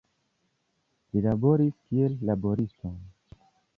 Li laboris kiel laboristo.